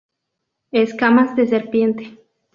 Escamas de serpiente